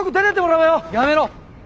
やめろ！